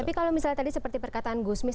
tapi kalau misalnya tadi seperti perkataan gusmis